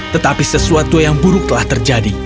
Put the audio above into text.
tetapi sesuatu yang buruk telah terjadi